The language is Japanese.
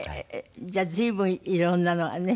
じゃあ随分いろんなのがね。